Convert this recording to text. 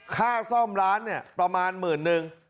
ค่าซ่อมร้านประมาณ๑๕๐๐๐บาท